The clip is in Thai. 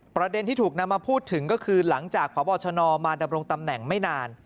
ประเด็นที่ถูกนำมาพูดถึงก็คือหลังจากพบชนมาดำรงตำแหน่งไม่นาน